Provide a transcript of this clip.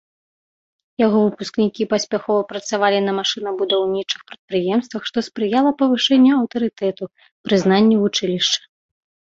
Яго выпускнікі паспяхова працавалі на машынабудаўнічых прадпрыемствах, што спрыяла павышэнню аўтарытэту, прызнанню вучылішча.